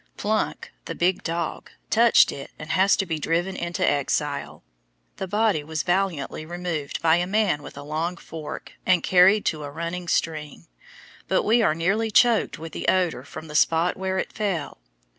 "Plunk," the big dog, touched it and has to be driven into exile. The body was valiantly removed by a man with a long fork, and carried to a running stream, but we are nearly choked with the odor from the spot where it fell.